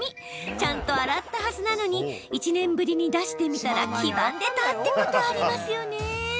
ちゃんと洗ったはずなのに１年ぶりに出してみたら黄ばんでたってことありますよね？